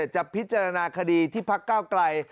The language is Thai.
จะพิจารณาคดีที่พักเก้าไกล